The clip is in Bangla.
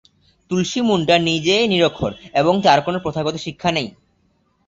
তুলসী মুন্ডা নিজে নিরক্ষর এবং তাঁর কোন প্রথাগত শিক্ষা নেই।